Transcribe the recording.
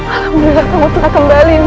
alhamdulillah kamu telah kembali men